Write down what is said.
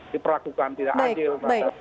diperlakukan tidak adil